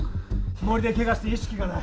森でケガして意識がない。